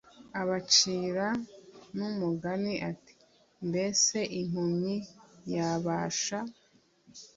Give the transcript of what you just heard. Abacira n umugani ati Mbese impumyi yabasha